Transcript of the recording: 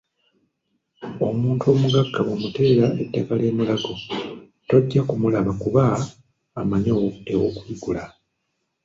Omuntu omugagga bw'omuteera eddagala e Mulago tojja kumulaba kuba amanyi ewokuligula.